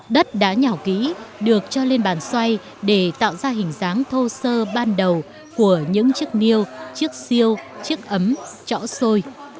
đất đã nhỏ kỹ được cho lên bàn xoay để tạo ra hình dáng thô sơ ban đầu của những chiếc niêu chiếc siêu chiếc ấm chõ sôi